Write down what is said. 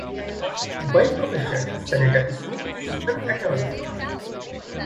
By profession, Senator Smith is an attorney.